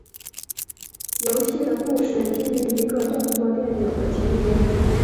游戏的故事基于一个动作电影的情节。